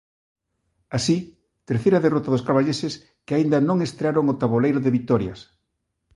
Así, terceira derrota dos carballeses que aínda non estrearon o taboleiro de vitorias.